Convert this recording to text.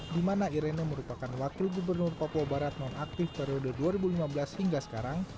di mana irene merupakan wakil gubernur papua barat nonaktif periode dua ribu lima belas hingga sekarang